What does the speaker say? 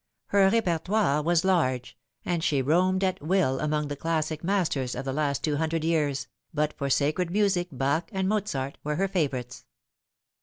Her repertoire was large, and she roamed at will among the classic masters of the last two hundred years, but for Bacred music Bach and Mozart were her favourites.